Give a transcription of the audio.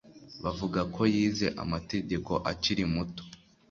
Bavuga ko yize amategeko akiri muto